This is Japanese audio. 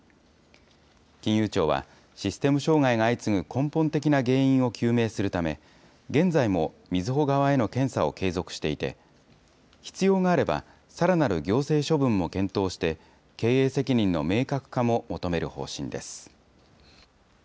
金融庁は、システム障害が相次ぐ根本的な原因を究明するため、現在もみずほ側への検査を継続していて、必要があれば、さらなる行政処分も検討して、経営責任の明確化も求める方針です。